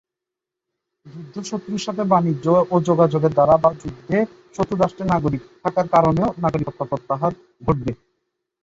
যুদ্ধ শত্রুর সাথে বাণিজ্য ও যোগাযোগের দ্বারা বা যুদ্ধে শত্রু রাষ্ট্রের নাগরিক থাকার কারণেও নাগরিকত্ব প্রত্যাহার ঘটবে।